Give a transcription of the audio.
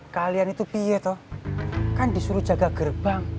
kalian itu bioto kan disuruh jaga gerbang